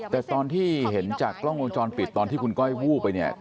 แต่ตอนที่เห็นจากกล้องวงจรปิดตอนที่คุณก้อยวูบไปเนี่ย